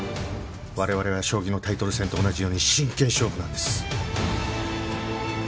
我々は将棋のタイトル戦と同じように真剣勝負なんです。